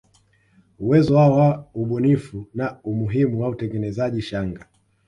Uwezo wao wa ubunifu na umuhimu wa utengenezaji shanga